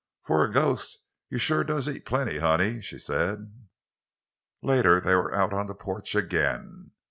"For a ghost you shuah does eat plenty, honey," she said. Later they were out on the porch again.